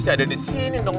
saya ada di sini dong